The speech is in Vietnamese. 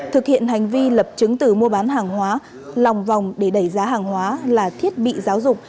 thực hiện hành vi lập chứng tử mua bán hàng hóa lòng vòng để đẩy giá hàng hóa là thiết bị giáo dục